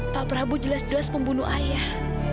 pak prabu jelas jelas pembunuh ayah